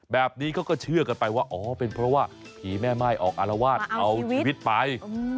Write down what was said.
แบบนี้เขาก็เชื่อกันไปว่าอ๋อเป็นเพราะว่าผีแม่ม่ายออกอารวาสเอาชีวิตไป